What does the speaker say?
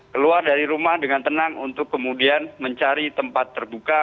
keluar dari rumah dengan tenang untuk kemudian mencari tempat terbuka